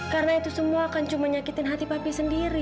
karena itu semua akan cuma nyakitin hati papi sendiri